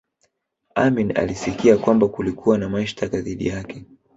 amin alisikia kwamba kulikuwa na mashtaka dhidi yake